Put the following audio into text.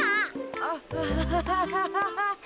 アアハハハハ。